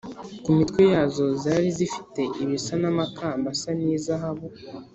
Ku mitwe yazo zari zifite ibisa n’amakamba asa n’izahabu,